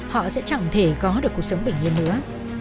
họ sẽ chẳng thể có được cuộc sống bình yên nữa